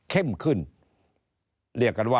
เข้มขึ้น